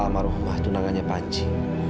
almarhumah tunangannya panji